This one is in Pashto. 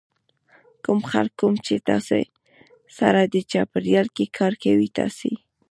کوم خلک کوم چې تاسې سره دې چاپېریال کې کار کوي تاسې